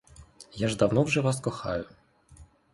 Я ж давно вже вас кохаю.